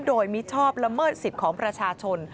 โดยมิชอบละเมิดสิทธิ์ของประชาชน